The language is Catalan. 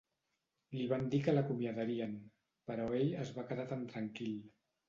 Li van dir que l'acomiadarien, però ell es va quedar tan tranquil.